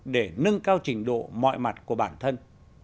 để nâng cao trình độ mọi mặt của bản thân